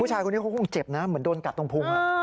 ผู้ชายคนนี้เขาคงเจ็บนะเหมือนโดนกัดตรงพุง